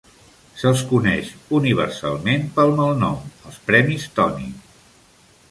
Se'ls coneix universalment pel malnom, els premis Tony.